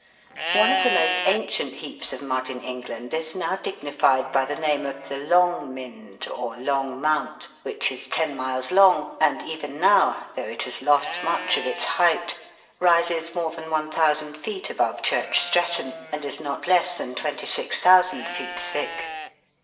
One of the most ancient heaps of mud in England is now dignified by the name of the Longmynd, or Long Mount, which is ten miles long, and even now, though it has lost much of its height, rises more than 1,000 feet above Church Stretton, and is not less than 26,000 feet thick.